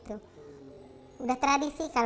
udah tradisi kali ya di keluarga